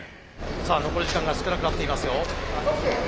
さあ残り時間が少なくなっていますよ。